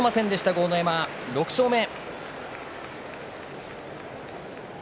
豪ノ山、６勝目。